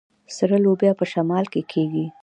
سره لوبیا په شمال کې کیږي.